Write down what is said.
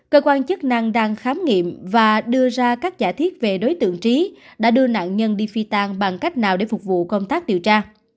cơ quan chức năng đang khám nghiệm và đưa ra các giả thiết về đối tượng trí đã đưa nạn nhân đi phi tan bằng cách nào để phục vụ công tác điều tra